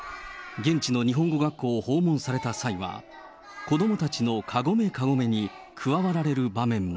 現地の日本語学校を訪問された際は、子どもたちのかごめかごめに加わられる場面も。